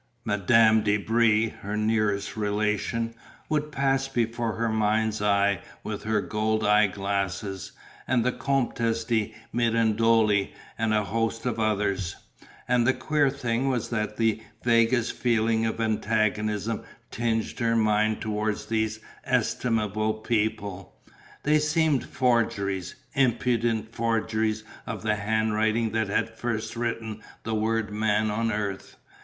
Madame de Brie, her nearest relation, would pass before her mind's eye with her gold eye glasses, and the Comtesse de Mirandole and a host of others; and the queer thing was that the vaguest feeling of antagonism tinged her mind towards these estimable people. They seemed forgeries, impudent forgeries of the handwriting that had first written the word Man on the earth.